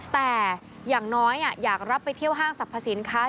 แต่อย่างน้อยอยากรับไปเที่ยวห้างสรรพสินค้า